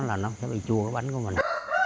là nó sẽ bị chua cái bánh của mình